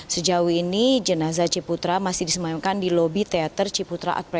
sejauh ini jenazah ciputra masih disemayamkan di lobi teater ciputra